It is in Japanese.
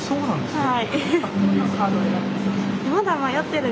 はい。